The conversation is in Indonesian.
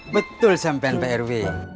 betul sampen pak rw